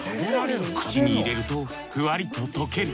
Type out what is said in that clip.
口に入れるとふわりと溶ける。